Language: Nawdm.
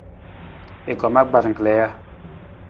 I kom akpar kali ja?